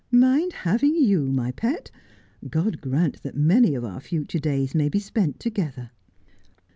Mind having you, my pet ! God grant that many of our future days may be spent together.'